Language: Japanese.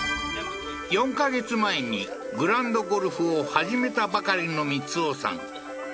４ヵ月前にグランドゴルフを始めたばかりの光夫さん